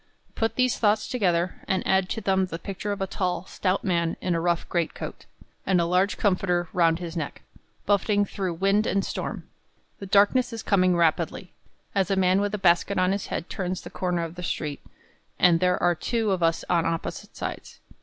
Put these thoughts together, and add to them the picture of a tall, stout man, in a rough greatcoat, and with a large comforter round his neck, buffeting through wind and storm. The darkness is coming rapidly, as a man with a basket on his head turns the corner of the street, and there are two of us on opposite sides.